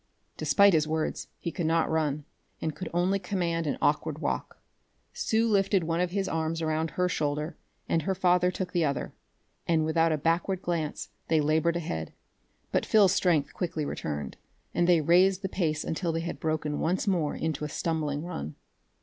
Despite his words, he could not run, and could only command an awkward walk. Sue lifted one of his arms around her shoulder, and her father took the other, and without a backward glance they labored ahead. But Phil's strength quickly returned, and they raised the pace until they had broken once more into a stumbling run.